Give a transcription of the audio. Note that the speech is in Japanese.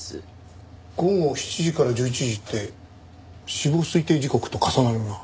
午後７時から１１時って死亡推定時刻と重なるな。